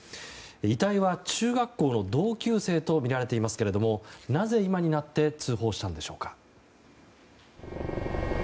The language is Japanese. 遺体は中学校の同級生とみられていますけれどもなぜ今になって通報したんでしょうか。